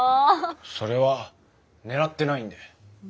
それは狙ってないんで。